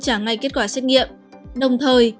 trả ngay kết quả xét nghiệm đồng thời